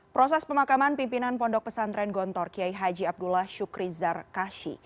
proses pemakaman pimpinan pondok pesantren gontor kiai haji abdullah syukri zarkashi